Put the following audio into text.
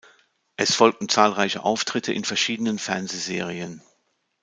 Es folgten zahlreiche Auftritte in verschiedenen Fernsehserien.